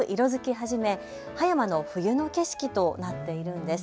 始め葉山の冬の景色となっているんです。